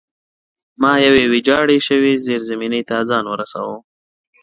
ما یوې ویجاړې شوې زیرزمینۍ ته ځان ورساوه